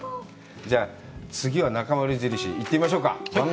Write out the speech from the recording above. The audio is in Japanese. じゃあ、次は「なかまる印」、いってみましょうか。